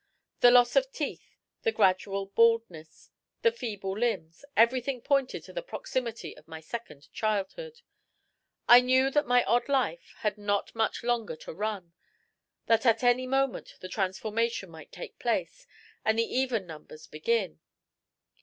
The loss of teeth, the gradual baldness, the feeble limbs, everything pointed to the proximity of my Second Childhood. I knew that my odd life had not much longer to run, that at any moment the transformation might take place and the even numbers begin.